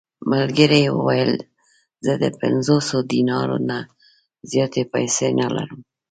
ملګري یې وویل: زه د پنځوسو دینارو نه زیاتې پېسې نه لرم.